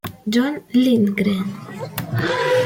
John Lindgren